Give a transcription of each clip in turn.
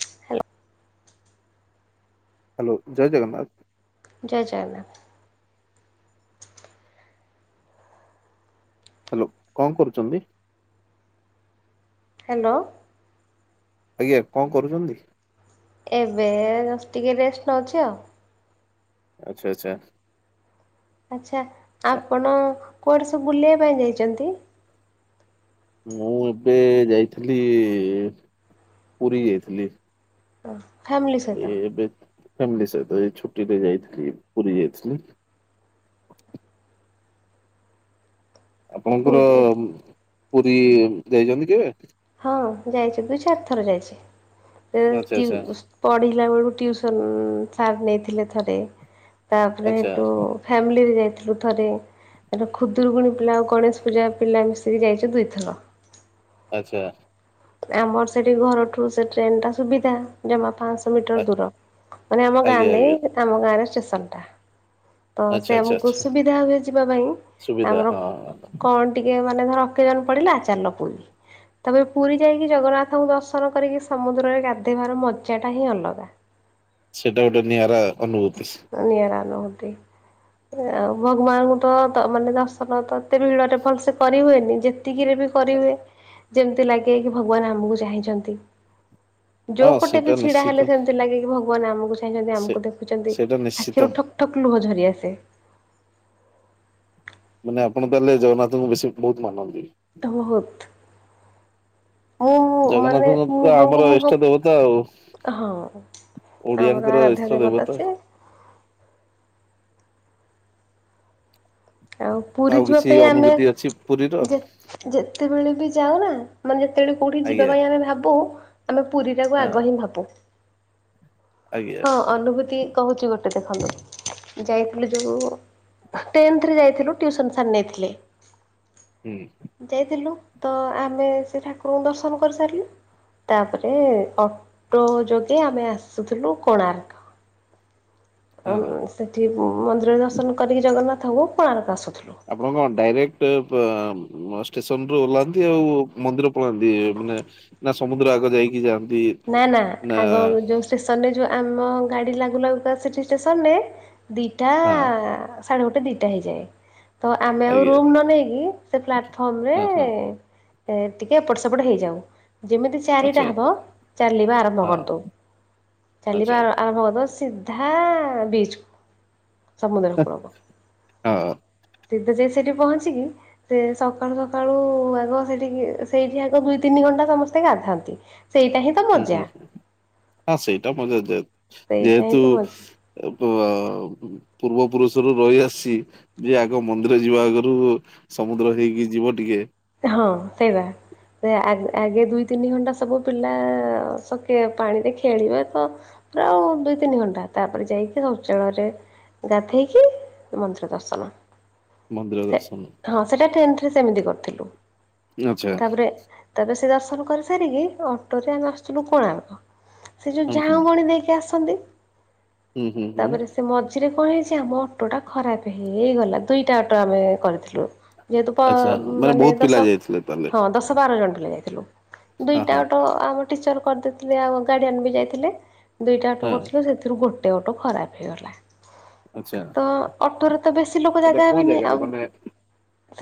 [inaudible] Hello ଜୟ ଜଗନ୍ନାଥ। ଜୟ Jagannath. Hello କଣ କରୁଛନ୍ତି? ହ୍ୟାଲୋ। ଆଜ୍ଞା କଣ କରୁଛନ୍ତି? ଏବେ ଟିକେ ରେଷ୍ଟ ନେଉଛି ଆଉ ଆଛା ଆଚ୍ଛା। ଆଚ୍ଛା ଆ, ଆପଣ କୁଆଡ଼େ ସବୁ ବୁଲିବା ପାଇଁ ଯାଇଛନ୍ତି? ମୁଁ ଏବେ ଯାଇଥିଲି ପୁରୀ ଯାଇଥିଲି। ହ ଫ୍ୟାମିଲି ଏ ସହିତ ଏବେ ଫାମିଲି ସହିତ ଏ ଛୁଟିରେ ଯାଇଥିଲି ପୁରୀ ଯାଇଥିଲି। ଆପଣଙ୍କର ପୁରୀ ପୁରୀ ଯାଇଛନ୍ତି କେବେ? ହଁ ଯାଇଛି ଚାରି ଥର ଆଚ୍ଛା ଯାଇଛି ଆଚ୍ଛା ପଢ଼ିଲା ବେଳକୁ ଟିୁଉସନ୍ ସାର୍ ନେଇଥିଲେ ଥରେ ତାପରେ ଆଚ୍ଛା ହେଠୁ ଫ୍ୟାମିଲିରେ ଯାଇଥିଲୁ ଥରେ। ଏ ଖୁଦୁରୁକୁୁଣୀ ପିଲା ଆଉ ଗଣେଶ ପୂଜା ପିଲା ମିଶିକି ଯାଇଛୁ। ଦୁଇଥର ଆଚ୍ଛା। ଆମର ସେଠି ଘରଠୁ ସେ ଟ୍ରେନ୍ ଟା ସୁବିଧା। ଜମା ପାଆଁଶହ ମିଟର ଆ- ଦୂର ମାନେ ଆମ ଗାଁ ଆଜ୍ଞା ଆଜ୍ଞା ନେଇ ଆମ ଗାଁରେ ଷ୍ଟେସନଟା। ତ ଆଚ୍ଛା ସେ ଆଚ୍ଛା ଆମକୁ ଆଚ୍ଛା ସୁବିଧା ହୁଏ ଯିବା ପାଇଁ ସୁବିଧା ଆମର ହଁ କଣ ଟିକେ ମାନେ ଧର ଅକେଜନ୍ ପଡିଲା ଚାଲ ପୁଣି। ତାପରେ ପୁରୀ ଯାଇକି ଜଗନ୍ନାଥଙ୍କୁ ଦର୍ଶନ କରିକି ସମୁଦ୍ରରେ ଗାଧେଇବାର ମଜାଟା ହିଁ ଅଲଗା। ସେଇଟା ଗୋଟେ ନିଆରା ଅନୁଭୂତି। ନିଆରା ନୁହୁନ୍ତି। ଆଉ ଭଗବାନଙ୍କୁ ତ ମାନେ ଦର୍ଶନ ତ ଏତେ ଭିଡରେ ଭଲ ସେ କରି ହୁଏନି ଯେତେ ଏତିକିରେ ବି କରି ହୁଏ ଯେମିତି ଲାଗେ କି ଭଗବାନ୍ ଆମକୁ ଚାହିଁଛନ୍ତି। ହଁ ଯୋଉ ପଟେ ସେଇଟା ବି ଛିଡା ନିଶ୍ଚିତ ହେଲେ ସେମିତି ଲାଗ କିି ଭଗବାନ୍ ଆମକୁ ଚାହିଁଛନ୍ତି ସେ ଆମକୁ ଦେଖୁଛନ୍ତି ସେଇଟା ନିଶ୍ଚିତ ଆଖିରୁ ଠକ୍ ଠକ୍ ଲୁହ ଝରି ଆସେ। ମାନେ ଆପଣ ତାହେଲେ ଜଗନ୍ନାଥଙ୍କୁ ବେଶୀ ବହୁତ୍ ମାନନ୍ତି। ବହୁତ୍। ମୁଁ ମାନେ ଜଗନ୍ନାଥଙ୍କ ତ ମୁହଁକୁ ଆମର ମୁହ, ଇଷ୍ଟ ଦେବତା ଆଉ ହଁ। ଆମର ଓଡିଆଙ୍କର ଆରାଧ୍ୟ ଇଷ୍ଟ ଦେବତା ସିଏ। ବା ପୁରୀ ଆଉ ଯିବା କିଛି ପାଇଁ ଆମେ ଅନୁଭୂତି ଅଛି ପୁରୀର। ଯେ ଯେତେବେଳେ ବି ଯାଉ ନା ମାନେ ଯେତେବେଳେ କୋଉଠି ଯିବା ଆଜ୍ଞା ପାଇଁ ଆମେ ଭାବୁ ଆମେ ପୁରୀଟାକୁ ଆଗ ହିଁ ଭାବୁ। ଆଞା। ହଁ ଅନୁଭୂତି କହୁଛି ଗୋଟେ ଦେଖନ୍ତୁ ଯାଇଥିଲି ଯୋଉୁ ଟେନ୍ଥରେ ଯାଇଥିଲୁ ଟିଉସନ୍ ସାର୍ ନେଇଥିଲେ। ହୁଁ। ଯାଇଥିଲୁ ତ ଆମେ ସେ ଠାକୁରଙ୍କୁ ଦର୍ଶନ କରିସାରିଲୁ ତାପରେ ଅଟୋ ଯୋଗେ ଆମେ ଆସୁଥିଲୁ କୋଣାର୍କ ତ ହଁ। ସେଠି ମନ୍ଦିର ଦର୍ଶନ କରିକି ଜଗନ୍ନାଥଙ୍କୁ କୋଣାର୍କ ଆସୁଥିଲୁ। ଆପଣ କଣ ଡାଇରେକ୍ଟ ଷ୍ଟେସନରୁୁ ଓହ୍ଲାନ୍ତି ଆଉ ମନ୍ଦିର ପଳାନ୍ତି ମାନେ ନା ସମୁଦ୍ର ଆଗ ଦେଇକି ଯାଆନ୍ତି। ନା ନା ଆଗରୁ ଯୋଉ ଷ୍ଟେସନ ରେ ଯୋଉ ଆମ ଗାଡି ଲାଗୁ ଲାଗୁ ତ ସେଠି ଷ୍ଟେସନ ରେ ଦିଟା ହଁ। ସାଢେ ଗୋଟେ, ଦିଟା ହେଇଯାଏ। ତ ଆମେ ଆଉ ଆଜ୍ଞା ରୁମ୍ ନ ନେଇକି ସେ ପ୍ଲାଟଫର୍ମ ହଁ ହଁ ରେ ଏ ଟିକେଏପଟ ସେପଟ ହେଇଯାଉ ଯେମିତି ଚାରିଟା ଆଚ୍ଛା ହେବ ଚାଲିବା ଆରମ୍ଭ ହଁ କରିଦଉ ଆଚ୍ଛା ଚାଲିବା ଆରମ୍ଭ କରିଦଉ ସି ହଁ ବିଚଚ୍ କ ସମୁଦ୍ର କୂଳକୁ ହଁ ଦିଦି ଯାଇ ସେଠି ପହଞ୍ଚିକି ସେ ସକାଳୁ ସକାଳୁ ଆଗ ସେଠିକ ସେଇଠି ଆଗ ଦୁଇ ତିନି ଘଣ୍ଟା ସମସ୍ତେ ଗାଧାନ୍ତି। ସେଇଟା ହିଁ ତ ହୁଁ, ମଜା ହୁଁ, ହଁ ସେଇଟା ମନରେ ଥାଏ ସେଇଟା ହିଁ ଯେହେତୁ ତ ମଜା ଆଉ ପ ପୂର୍ବ ପୁରୁଷରୁ ରହି ଆସିଛି ଯେ ଆଗ ମନ୍ଦିର ଯିବା ଆଗରୁ ସମୁଦ୍ର ହେଇକି ଯିବ ଟିକେ। ହଁ ସେଇ ବା। ଆ ଆ ଆଗେ ଦୁଇ ତିନି ଘଣ୍ଟା ସବୁ ପିଲାେ ସକେ ପାଣିରେ ଖେଳିବେ ତ ପୁରା ଆଉ ଦୁଇ ତିନି ଘଣ୍ଟା ତାପରେ ଯାଇକି ଶୌଚାଳୟରେ ଗାଧେଇକି ମନ୍ଦିର ଦର୍ଶନ। ମନ୍ଦିର ସେ ଦର୍ଶନ ହଁ ସେଟା ଟେନ୍ଥେରେ ସେମିତି କରିଥିଲୁ। ଆଚ୍ଛା ତାପରେ ତାପରେ ସେ ଦର୍ଶନ କରି ସାରିକି ଅଟୋରେ ଆମେ ଆସୁଥିଲୁ କୋଣାର୍କ। ସେ ଯୋଉ ହୁଁ ହୁଁ ଝାଉଁ ଗଣି ଦେଇକି ଆସନ୍ତି ହୁଁ ହୁଁ ହୁଁ ତାପରେ ସେ ମ ମଝିରେ କଣ ହେଇଚି ଆମ ଅଟୋଟା ଖରାପ ହେଇଗଲା ଦୁଇଟା ଅଟୋ ଆମେ କରିଥିଲୁ। ଯେହେତୁ ପ ଆଚ୍ଛା ମାନେ ବୋହୁତ ପିଲା ଯାଇଥିଲେ ତାହେଲେ। ହଁ ଦଶ ବାର ଜଣ ପିଲା ଯାଇଥିଲୁ ହଁ ଦୁଇଟା ହଁ ଅଟ ଆମ ଟିଚର କରିଦେଇଥିଲେ ଆଉ ଗାର୍ଡିଆନ ବି ଯାଇଥିଲେ ଦୁଇଟା ଅଟୋ ହଁ କରିଥିଲେ ସେଥିରୁ ଗୋଟ ଗୋଟେ ଅଟ ଖରାପ ହେଇଗଲା। ଆଚ୍ଛା। ହଁ ଅଟୋରେ ତ ବେଶୀ ଲୋକ ଏଇଟା ଜାଗା କୋଉ ହେବେନି ଜାଗାରେ ଆଉ ମାନେ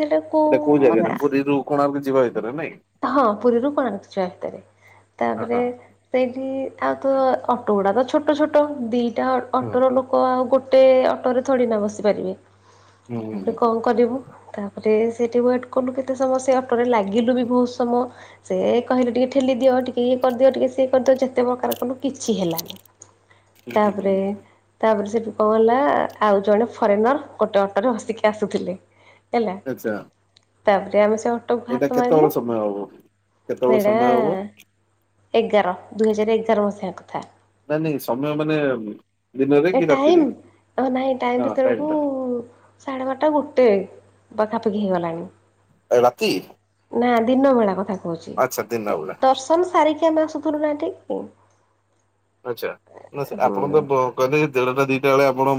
ସେଟାକୁ ଏଇଟା କୋଉ ମାନେ ଜାଗାରେ ପୁରୀରୁ କୋଣାର୍କ ଯିବା ଭିତରେ ନାଇଁ। ହଁ ପୁରୀରୁ କୋଣାର୍କ ଯିବା ଭିତରେ ହଁ ତାପରେ ହଁ ସେଇଠି ଆଉ ତ ଅଟୋ ଗୁଡା ଛୋଟ ଛୋଟ ଦିଇଟା ଅଟୋର ଲୋକ କ ଆଉ ଗୋଟେ ଅଟୋରେ ଥୋଡିନା ବସି ପାରିବେ ହଁ ତାପରେ ହୁଁ କୋଣ କରିବୁ ତାପରେ ସେଠି ୱେଟ କଲୁ କେତେ ସମୟ ସେ ଅଟରେ ଲାଗିଲୁ ବି ବୋହୁତ ସମ ସେ କହିଲେ ଟିକେ ଠେଲି ଦିଅ ଟିକେ ଇଏ କରିଦିଅ ଟିକେ ସିଏ କରିଦିଅ ଯେତେ ପ୍ରକାର କଲୁ କିଛି ହେଲାନି। ହୁଁ ତାପରେ ହୁଁ ତାପରେ ସେଠି କଣ ହେଲା ଆଉ ଜଣେ ଫରେନର ଗୋଟେ ଅଟୋ ରେ ହସିକି ଆସୁଥିଲେ ହେଲା। ଆଚ୍ଛା। ତାପରେ ଆମେ ସେଉ ଏଇଟା କେତେବେଳ ସମୟ ହବ। କେତେବେଳେ ସେଇଡା ସମୟ ହବ ଏଗାର ଦୁଇ ହଜାର ଏଗାର ମସିହା କଥା। ନାଇଁ ନାଇଁ ସମୟ ମାନେ ଦିନରେ କି ରାତିରେ। ହ ନାଇଁ ଟାଇମ ହଁ ସେତଳକୁ ଟା ସାଢେ ବାରଟା ଗୋଟେ ପାଖାପାଖି ହେଇଗଲାଣି। ଏ ରାତି। ନା ଦିନ ଭେଳା କଥା କହୁଚି ଆଚ୍ଛା ଦିନ ତ ଦ ବେଳା ଦର୍ଶନ ସାରିକି ଆମେ ଆସୁଥିଲୁ ନା ଏଠିକି। ଆଚ୍ଛା ନା ସେ ଆପଣ ତ ବ କହେ ଦେଢଟା ଦିଟା ବେଳେ ଆପଣ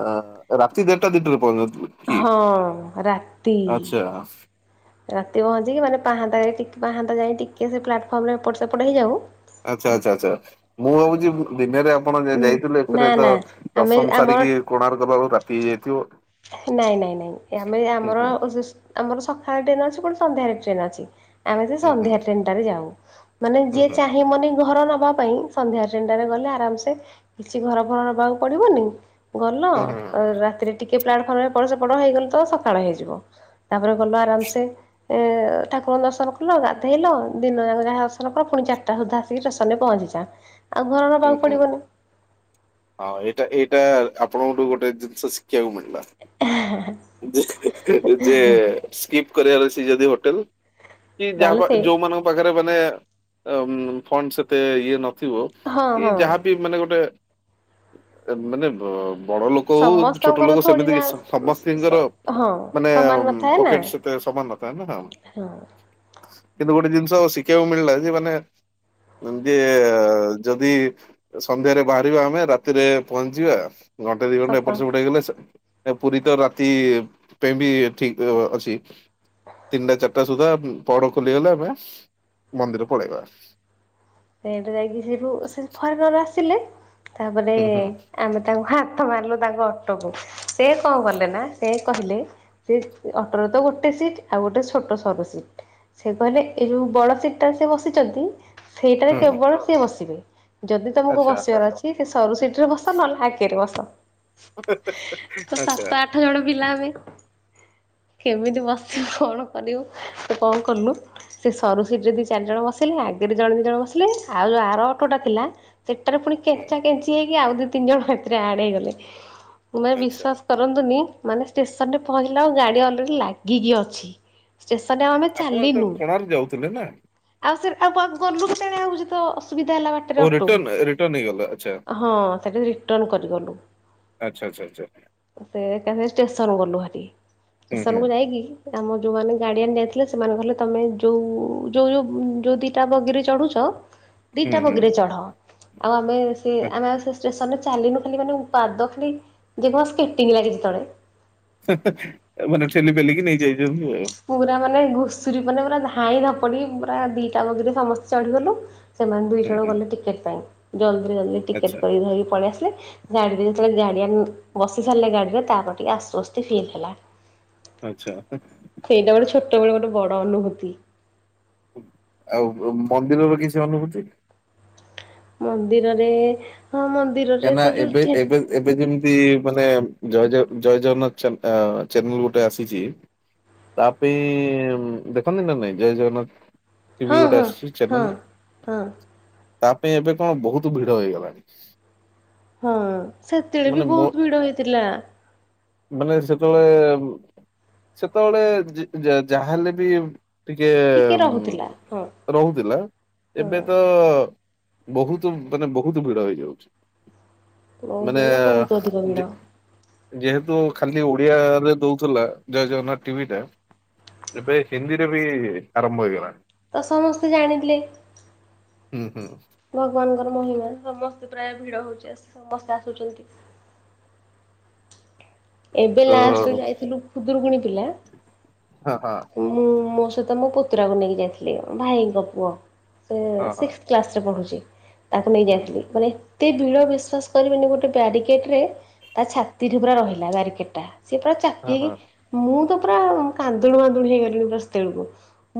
ଅ ରାତି ଦେଢଟା ଦିଟାରେ ପହଞ୍ଚିବେ ହଁ ରାତି। [inaudible] ରାତି ପହଞ୍ଚିକି ମାନେ ପାହାନ୍ତା ପାହାନ୍ତା ଯାଇ ଟିକେ ସେ ପ୍ଲାଟଫର୍ମ ରେ ଏପଟ ସେପଟ ହେଇଯାଉ ଆଚ୍ଛା ଆଛା ଆଛା। ମୁଁ ଭାବୁଚି ଦିନରେ ଆପଣ ଯେ ଯାଇଥିଲେ ନା ଏଥିରେ ତ ନା ଆମେ ଦର୍ଶନ ଆମର ସାରିକି କୋଣାର୍କ କଲା ବବେଳକୁ ରାତି ହେଇ ଯାଇଥିବ। ନାଇଁ ନାଇଁ ନାଇଁ ଆମେ ଆମର ହୁଁ ଆମର ସକାଳେ ଟ୍ରେନ ଅଛି କଣ ସନ୍ଧ୍ୟାରେ ଟ୍ରେନ ଅଛି। ଆମେ ସେ ହୁଁ ସନ୍ଧ୍ୟା ହୁଁ ଟ୍ରେନ ଟାରେ ଯାଁଉ ମାନେ ଯିଏ ହୁଁ ଚାହିଁ ମନି ଘର ନବା ପାଇଁ ସନ୍ଧ୍ୟା ଟ୍ରେନ୍ ଟାରେ ଗଲେ ଆରାମସେ କିଛି ଘର ଫର ନବାକୁ ପଡିବନି ଗଲ ହୁଁ ହୁଁ ହୁଁ ରାତିରେ ଟିକେ ପ୍ଲାଟଫର୍ମରେ ପ ହେଇଗଲେ ତ ସକାଳ ହେଇଯିବ। ତାପରେ ଗଲ ଆରାମ୍ସେ। ଏ ଠାକୁରଙ୍କୁ ଦର୍ଶନ କଲ, ଗାଧେଇଲ, ଦିନଯାକ ଯାହା ଦର୍ଶନ କଲ ପୁଣି ଚାରିଟା ସୁଦ୍ଧା ଆ ଆସିକି ଷ୍ଟେସନ୍ ରେ ପହଞ୍ଚିଯିବା। ଆଉ ଘର ହୁଁ ନବାକୁ ହୁଁ। ପଡିବନି। ହଁ ଏଇଟା ଏଇଟା ଆପଣଙ୍କଠୁ ଗୋଟେ ଜିନିଷ ଶିଖିବାକୁ ମିଳିଲା। ଯେ ସ୍କିପ୍ କରିବାର ଅଛି ସ ଯଦି ହୋଟେଲ, କି ତାହେଲେ ଯାହା ସେଇ ଯୋଉମାନଙ୍କ ପାଖରେ ମାନେ ଫଣ୍ଡ ସେତେ ଇଏ ନଥିବ ହଁ କି ହଁ। ଯାହାବି ମାନେ ଗୋଟେ ମାନେ ବଡ ଲୋକ ହଉ, ଛୋଟ ସମସ୍ତଙ୍କର ଲୋକ ଥୋଡି ସେମିତି ନା କିଛି ସମସ୍ତିଙ୍କର ହଁ ମାନେ ସମାନ ନଥାଏ ନା ପକେଟ ସେତେ ସମାନ ନଥା ଥାଏ ନା। ହଁ। କିନ୍ତୁ ଗୋଟେ ଜିନିଷ ଶିଖିବାକୁ ମିଳିଲା ଯେ ମାନେ ଏମିତି ଯଦି ସନ୍ଧ୍ୟାରେ ବାହାରିବା ଆମେ ରାତିରେ ପହଞ୍ଚିବା, ଘଣ୍ଟେ ଦି ଘଣ୍ଟା ସକାଳ ଏପଟ ସେପଟ ହେଇଗଲେ ପୁରୀ ତ ରାତି ପାଇଁ ବି ଠିକ୍ ଅଛି। ତିନିଟା ଚାରିଟା ସୁଦ୍ଧା ପହଡ ଖୋଲିଗଲେ ଆମେ ମନ୍ଦିର ପଳେଇବା। ସେଇଟା ଯାଇକି ଯିବୁ। ସେଠୁ ସେ ଫରେନର ଆସିଲେ ତାପରେ ହୁଁ ହୁଁ ଆମେ ତାଙ୍କୁ ହାତ ମାରିଲୁ ତାଙ୍କ ଅଟକୁ ସେ କଣ କଲେ ନା ସେ କହିଲେ ଅଟୋରେ ତ ଗୋଟେ ସିଟ୍ ଆଉ ଗୋଟେ ଛୋଟ ସରୁ ସିଟ୍। ସେ କହିଲେ ଏଇ ଯୋଉ ବଡ ସିଟ୍ ଟାରେ ସେ ବସିଛନ୍ତି ସେଇଟାରେ ହୁଁ କେବଳ ସିଏ ବସିବେ। ଯଦି ତମକୁ ଆଚ୍ଛା ବସିବାର ଅଛି ସେ ସରୁ ସିଟ୍ ରେ ବସ, ନହେଲେ ଆଗରେ ବସ। ତ ସାତ ଆଚ୍ଛା। ଆଠ ଜଣ ପିଲା ଆମେ। କେମିତି ବସିବୁ କଣ କରିବୁ, କଣ କଲୁ? ସେ ସରୁ ସିଟ୍ ରେ ଦି ଚାରି ଜଣ ବସିଲେ ଆଗରେ ଜଣେ ଦିଇ ଜଣ ବସିଲେ ଆଉ ଯୋଉ ଆର ଅଟୋଟା ଥିଲା ସେଟାରେ ପୁଣି ହୁଁ କେଞ୍ଚା କେଞ୍ଚି ହେଇକି ଆଉ ଦି ତିନି ଜଣ ହେଥିରେ ଆଡ୍ ହେଇଗଲେ। ମାନେ ଆଚ୍ଛା ବିଶ୍ଵାସ କ କରନ୍ତୁନି ମାନେ ଷ୍ଟେସନ୍ ରେ ପହଞ୍ଚିଲାବେଳକୁ ଗାଡି ଅଲରେଡ଼ି ଲାଗିକି ଅଛି। ଷ୍ଟେସନ୍ ରେ ଆଉ ଆମେ ଆପଣ ତ ଚାଲିନୁ। କୋଣାର୍କ ଯାଉଥିଲେ ନା ଆଉ ସେ ଆଉ ପା ଗଲୁ କେତେବେଳେ ସେତ ଅସୁବିଧା ହେଲା ବାଟ ଓ ବାଟରେ ଅଟୋ, ରିଟର୍ନ ରିଟର୍ନ ହେଇଗଲା ଆଚ୍ଛା ହଁ, ସେଠୁ ରିଟର୍ନ କରିଗଲୁ। ଆଚ୍ଛା ଆଚ୍ଛା ଆଚ୍ଛା। ସେ ଏକାଥରେ ଷ୍ଟେସନ ଗଲୁ ହା। ହୁଁ ହୁଁ ଷ୍ଟେସନକୁ ଯାଇକି ଆମ ଯୋଉମାନେ ଗାଡିଆନ୍ ଯାଇଥିଲେ ସେମାନେ କହିଲେ ତମେ ଯୋଉ ଯୋଉ ଯୋଉ ଯୋଉଦି ଦିଟା ବଗିରେ ଚଢୁଛ ହୁଁ ଦିଟା ହୁଁ। ବଗିରେ ଚଢ। ଆଉ ଆମେ ସେ ଆମେ ଆଉ ସେ ଷ୍ଟେସନ୍ ରେ ଚାଲିନୁ ଖାଲି ମାନେ ପାଦ ଖାଲି ଯିଏ କହିବ ସ୍କେଟିଂ ଲାଗିଛି ତଳେ। ଏ ମାନେ ଠେଲି ପେଲିକି ନେଇ ଯାଇଛନ୍ତି ଆଉ। ପୁରା ମାନେ ଘୁଷୁରୀ ମାନେ ପୁରା ଧାଇଁ ଧପଡି ପୁରା ଦିଟା ବଗିରେ ସମସ୍ତେ ଚଢିଗଲୁ। ସେମାନେ ଦୁଇ ହୁଁ ଜଣ ହୁଁ ଗଲେ ଟିକେଟ ପାଇଁ, ଜଲ୍ଦିରେ ଜଲଦି ଆଚ୍ଛା ଟିକେଟ କରିକି ଧରିକି ପଳେଇ ଆସିଲେ। ଗାଡିରେ ଯେତେବେଳେ ଗାଡିଆନ ବସି ସାରିଲେ ଗାଡିରେ ତାପରେ ଟିକେ ଆଶ୍ୱସ୍ତି ଫିଲ୍ ହେଲା। ଆଚ୍ଛା। ଏଇଟା ଗୋଟେ ଛୋଟବେଳର ଗୋଟେ ବଡ଼ ଅନୁଭୂତି। ଆଉ ମନ୍ଦିରର କିଛି ଅନୁଭୂତି। ମନ୍ଦିରରେ, ହଁ ମନ୍ଦି କାହିଁକ ନା ଏବେ ଏବେ ଏବେ ଯେମିତି ମାନେ ଜୟ ଜୟ ଜୟ ଜଗନ୍ନାଥ ଚ୍ୟାନେଲ ଗୋଟେ ଆସିଛି। ତା ପାଇଁ ଦେଖନ୍ତି ନା ନାଇଁ ଜୟ ଜଗନ୍ନାଥ? ଟିଭି ହଁ ଗୋଟେ ହଁ ଆସିଛି ହଁ। ଚ୍ୟାନାଲ ହଁ ତା ପାଇଁ ଏବେ କଣ ବୋହୁତ ଭିଡ ହେଇଗଲାଣି। ହଁ ସେତେବେଳେ ବି ମାନେ ମୋ ବୋହୁତ ଭିଡ ହେଇଥିଲା। ମାନେ ସେତେବେଳେ ସେତେବେଳେ ଯି ଯା ଯାହାହେଲେ ବି ଟିକେ ଉମ୍ ରହୁଥିଲା ହଁ ରୋହୁଥିଲା ଏବେ ହଁ ତ ବୋହୁତୁ ମାନେ ବୋହୁତୁ ଭିଡ ହେଇଯାଉଛି ବହୁତ ମାନେ ବହୁତ ଅଧିକ ଭିଡ। ଯେ ଯେହେତୁ ଖାଲି ଓଡିଆରେ ଦୋଉଥିଲା ଜୟ ଜଗନ୍ନାଥ ଟିଭି ଟା। ଏବେ ହିନ୍ଦୀ ରେ ବି ଆରମ୍ଭ ହୋଇଗଲାଣି। ତ ସମସ୍ତେ ଜାଣିଥିଲେ। ହୁଁ ହୁଁ। ଭଗବାନଙ୍କର ମହିମା ସମସ୍ତେ ପ୍ରାୟ ଭିଡ ହୋଉଛି ସମସ୍ତେ ଆସୁଛନ୍ତି। ଏବେ ତ ଲାଷ୍ଟ ରେ ହଁ ଯାଇଥିଲୁ ଖୁଦୁରୁକୁଣୀ ପିଲା। ହଁ ହଁ। ମୁଁ ମୋ ସହିତ ମୋ ପୁତୁରାକୁ ନେଇକି ଯାଇଥିଲି ଭାଇଙ୍କ ପୁଅ ସେ ହଁ ହଁ ସିକ୍ସ କ୍ଲାସ୍ ରେ ପଢୁଛି ତାକୁ ହୁଁ ନେଇଯାଇଥିଲି କଇଲେ ହେ ଏତେ ଭିଡ଼ ବିଶ୍ୱାସ କରିବେନି ଗୋଟେ ବ୍ୟାରିକେଟ୍ ରେ ତା ଛାତି ଠୁ ପୁରା ରହିଲା ବ୍ୟାରିକେଟ୍ ଟା। ସିଏ ପୁରା ଚାପି ହଁ ହଁ ହେଇକି ମୁଁ ତ ପୁରା କାନ୍ଦୁଣୁ ମାନ୍ଦୁଣି ହେଇଗଲିଣି ପୁରା ସେତେବେଳୁକୁ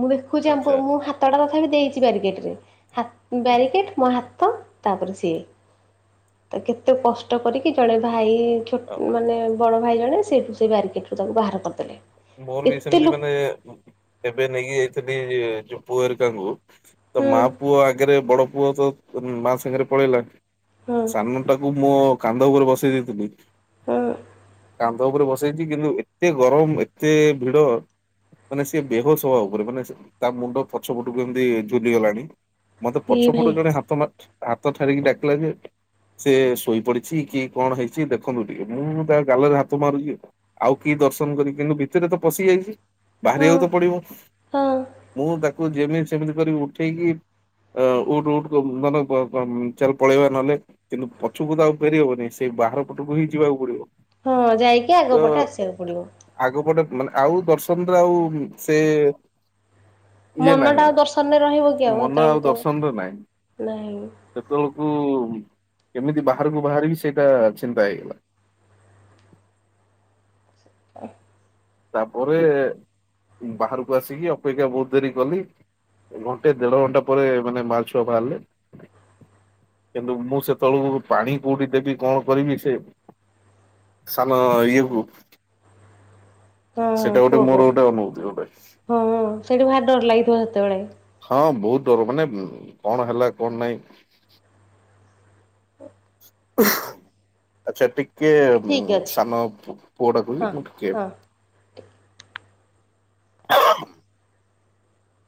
ମୁଁ ଦେଖ ଖୁଛି ଆମ୍ପୁ ଆଚ୍ଛା ମୁଁ ହାତଟା ତଥାବିି ଦେଇଛି ବ୍ୟାରିକେଟ୍ ରେ ହାତ୍ ହୁଁ ବ୍ୟାରିକେଟ୍ ମୋ ହାତ ତାପରେ ସିଏ ତା କେତେ କସ୍ କଷ୍ଟ କରିକି ଜଣେ ଭାଇ ଛୋ ଆଉ ମାନେ ବଡ ଭାଇ ଜଣେ ସେଇଠୁ ସେ ବ୍ୟାରିକେଟ୍ ରୁ ତାକୁ ବାହାର କରିଦେଲେ। ମୋର ବି ଏତେ ସେମିତି ଲୋ ମାନେ ବୁ ଏବେ ନେଇକି ଯାଇଥିଲି ଯୋଉ ପୁଅ ଘାରିକାଙ୍କୁ। ତ ମା ହୁଁ। ପୁଅ ଆଗରେ ବଡ ପୁଅ ତ ମା ସାଙ୍ଗରେ ପଳେଇଲା। ହଁ ସାନ ଟାକୁ ମୋ କାନ୍ଧ ଉପରେ ବସେଇ ଦେଇଥିଲି। ହଁ। କାନ୍ଧ ଉପରେ ବସେଇଛି କିନ୍ତୁ ଏତେ ଗରମ୍ ଏତେ ଭିଡ। ମାନେ ସେ ବେହୋସ୍ ହବା ଉପରେ ମାନେ ସେ ତା ମୁଣ୍ଡ ପଛପଟକୁ ଏମିତି ଝୁଲିଗଲାଣି। ମତେ ଏଇ ଭାଇ ପଛପଟୁ ଜଣେ ହାତ ମାରୁଛି ହାତ ଠାରିକି ଡାକିଲା ଯେ। ସିଏ ଶୋଇପଡିଛି କି କଣ ହେଇଛି ଦେଖନ୍ତୁ ଟିକେ ମୁଁ ତା ଗାଲରେ ହାତ ମାରୁଛି। ଆଉ କି ଦର୍ଶନ୍ କରିବି କିନ୍ତୁ ଭିତରେ ତ ପଶି ଯାଇଛି ହଁ ବାହାରିବାକୁ ତ ପଡିବ। ହଁ ମୁଁ ତାକୁ ଯେମିତି ସେମିତି କରିକି ଉଠେଇକି। ଏଅଁ ଉଠ୍ ଉଠ୍ କୁ ଧନ ପ ପ ଚାଲ ପଳେଇବା ନହେଲେ। କିନ୍ତୁ ପଛୁକୁ ତ ଆଉ ଫେରି ହବନେଇଁ ସେଇ ବାହାର ପଟକୁ ହିଁ ଯିବାକୁ ପଡିବ। ହଁ ଯାଇକି ଆଗ ପଟେ ଆସିବାକୁ ପଡିବ। ଆଗ ପଟେ ମାନେ ଆଉ ଦର୍ଶନ୍ ରେ ଆଉ ସେ ଇଏ ମନଟା ନାହିଁ ଆଉ ଦର୍ଶନରେ ରହିବ କି ମନ ସେତେବେଳକୁ ଆଉ ତ ଦର୍ଶନ୍ ରେ ନାହିଁ। ନାଇଁ ସେତେବେଳୁକୁ କେମିତି ବାହାରକୁ ବାହାରିବି ସେଇଟା ଚିନ୍ତା ହେଇଗଲା। ହେ। ତାପରେ ବାହାରକୁ ଆସିକି ଅପେକ୍ଷା ବୋହୁତ ଧରିକି କଲି। ଘଣ୍ଟେ ଦେଢ ଘଣ୍ଟା ପରେ ମାନେ ମାଆ ଛୁଆ ଭାଆରିଲେ। କିନ୍ତୁ ମୁଁ ସେତେବେଳୁକୁ ପାଣି କୋଉଠି ଦେବି କଣ କରିବି ସେ ସାନ ଇଏ କୁୁ ହଁ ହଁ ଗୋଟେ କୁଅ ମୋର କୁଅ ଗୋଟେ ଅନୁଭୂତି ଗୋଟେ ହଁ ହଁ ସେଇଠୁ ଭାରି ଡର ଲାଗିଥିବ ସେତେବେଳେ? ହଁ ବୋହୁତ ଡର ମାନେ କଣ ହେଲା କଣ ନାଇଁ। ଆଚ୍ଛା ଟିକେ ଠିକ୍ ଅଛି ସାନ ପୁଅ ହଁ ଡାକୁଚି ମୁଁ ଟିକେ ହଁ।